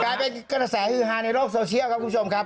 กลายเป็นกระแสฮือฮาในโลกโซเชียลครับคุณผู้ชมครับ